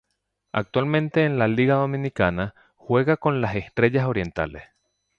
Actualmente en la Liga Dominicana, juega con las Estrellas Orientales.